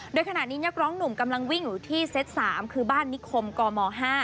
โดยขณะนี้นักร้องหนุ่มกำลังวิ่งอยู่ที่เซต๓คือบ้านนิคมกม๕